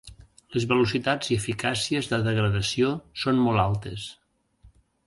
Les velocitats i eficàcies de degradació són molt altes.